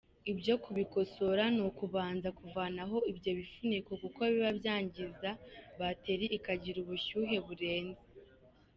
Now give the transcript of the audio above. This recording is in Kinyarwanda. Ibyo kubikosora ni ukubanza kuvanaho ibyo bifuniko kuko biba byangiza bateri ikagira ubushyuhe burenze.